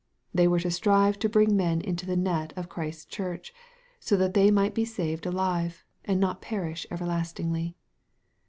They were to strive to bring men into the net of Christ's church, that so they might be saved alive, and not perish ever lastingly.